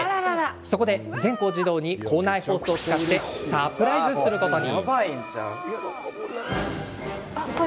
そこで全校児童に校内放送を使ってサプライズすることに。